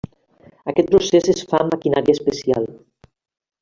Aquest procés es fa amb maquinària especial.